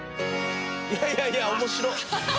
「いやいやいや面白っ！」